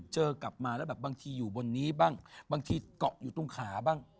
กลับมาแล้วแบบบางทีอยู่บนนี้บ้างบางทีเกาะอยู่ตรงขาบ้าง